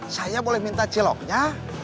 saya boleh minta ciloknya